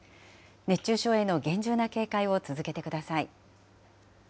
熱中症への厳重な警戒を続けてください。